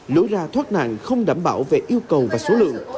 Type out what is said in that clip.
lối ra thoát nạn không đảm bảo về yêu cầu và số lượng